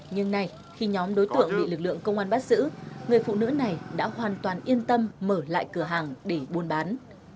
nhưng nay khi nhóm đối tượng bị lực lượng công an bắt giữ người phụ nữ này đã hoàn toàn yên tâm mở lại cửa hàng để buôn bán